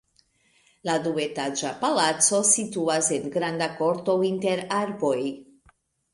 La duetaĝa palaco situas en granda korto inter arboj.